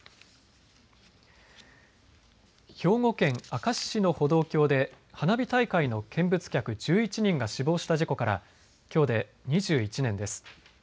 兵庫県明石市の歩道橋で花火大会の見物客１１人が死亡した事故からきょうで２１年です。